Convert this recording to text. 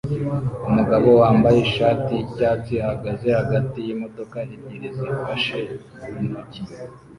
Umugabo wambaye ishati yicyatsi ahagaze hagati yimodoka ebyiri zifashe intoki